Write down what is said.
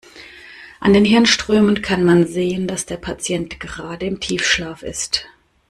An den Hirnströmen kann man sehen, dass der Patient gerade im Tiefschlaf ist.